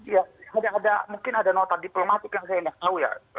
ya mungkin ada notar diplomatik yang saya ingin tahu ya